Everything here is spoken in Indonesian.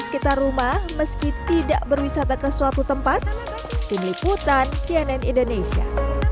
sekitar rumah meski tidak berwisata ke suatu tempat tim liputan cnn indonesia